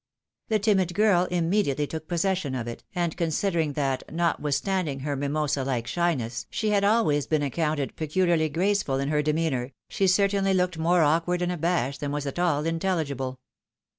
The timid girl immediately took possession of it, and con sidering that, notwithstanding her mimosa Uke shyness, she had been always accounted peculiarly graceful in her demeanour, she certainly looked more awkward and abashed than was at all intelligible.